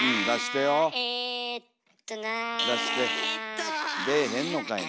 出ぇへんのかいな。